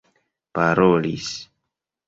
parolis